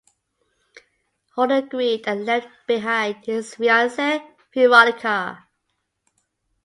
Holden agreed and left behind his fiance Veronica.